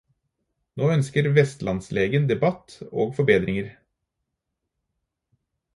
Nå ønsker vestlandslegen debatt og forbedringer.